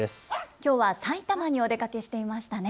きょうは埼玉にお出かけしていましたね。